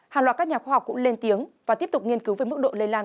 hàng loạt các nhà khoa học cũng lên tiếng và tiếp tục nghiên cứu về mức độ lây lan